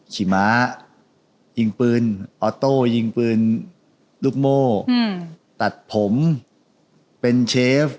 ขีม้ายิงปืนตัดผมเป็นเชฟ